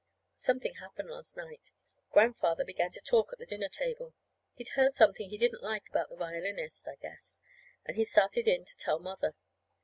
Something happened last night. Grandfather began to talk at the dinner table. He'd heard something he didn't like about the violinist, I guess, and he started in to tell Mother.